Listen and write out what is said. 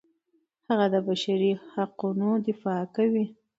هغه د بشري حقونو دفاع کوي.